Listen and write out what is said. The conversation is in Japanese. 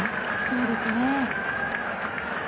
そうですね。